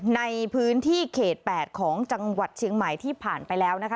ในพื้นที่เขต๘ของจังหวัดเชียงใหม่ที่ผ่านไปแล้วนะคะ